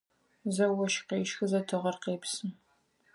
Зэ ощх къещхы, зэ тыгъэр къепсы.